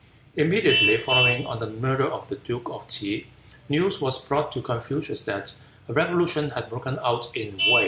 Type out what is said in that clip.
Immediately following on the murder of the duke of T'se, news was brought to Confucius that a revolution had broken out in Wei.